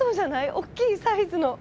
大きいサイズの。